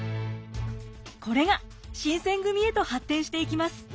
これが新選組へと発展していきます。